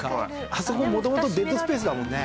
あそこ元々デッドスペースだもんね。